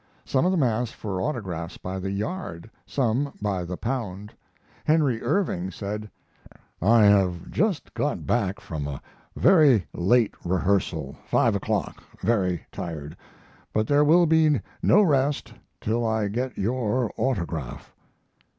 Some of them asked for autographs by the yard, some by the pound. Henry Irving said: I have just got back from a very late rehearsal five o'clock very tired but there will be no rest till I get your autograph.